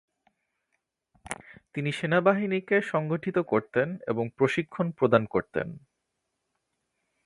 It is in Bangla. তিনি সেনাবাহিনীকে সংগঠিত করতেন এবং প্রশিক্ষণ প্রদান করতেন।